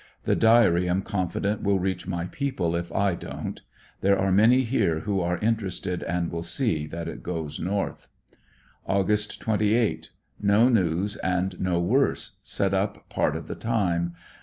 The diary am confident will reach my people if I don't. There are many here who are interested and will see that it goes north. Aug. 28. — No news and no worse; set up part of the time.